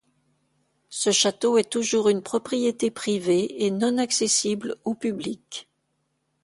Ce château est toujours une propriété privée et non accessible au public.